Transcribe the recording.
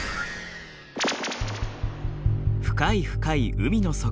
深い深い海の底。